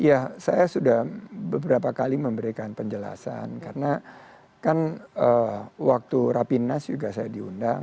iya saya sudah beberapa kali memberikan penjelasan karena kan waktu rapinas saya juga diundang